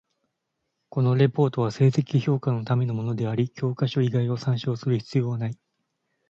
このレポートは成績評価のためのものであり、教科書以外を参照する必要なない。